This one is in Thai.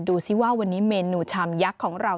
ดูสิว่าวันนี้เมนูชามยักษ์ของเรา